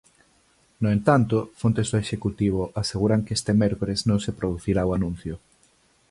No entanto, fontes do Executivo aseguran que este mércores non se producirá o anuncio.